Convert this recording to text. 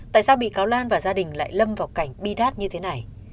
tại sao bị cáo lan và gia đình lại lâm vào cảnh bi đát như thế này